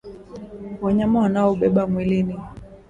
wanyama wanaoubeba mwilini